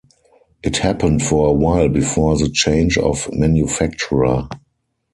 It happened for a while before the change of manufacturer.